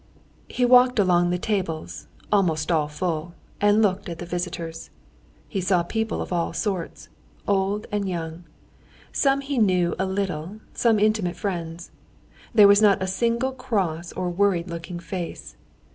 He walked along the tables, almost all full, and looked at the visitors. He saw people of all sorts, old and young; some he knew a little, some intimate friends. There was not a single cross or worried looking face.